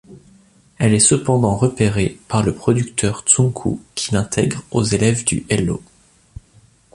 Elle est cependant repérée par le producteur Tsunku qui l'intègre aux élèves du Hello!